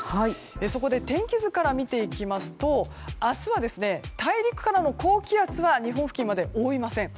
そこで天気図から見ていきますと明日は大陸からの高気圧は日本付近まで覆いません。